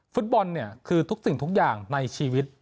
ฟุตบอลเนี่ยคือทุกสิ่งทุกอย่างในชีวิต